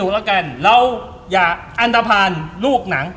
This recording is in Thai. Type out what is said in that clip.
แล้วอย่าอันตภัณฑ์ลูกหนัง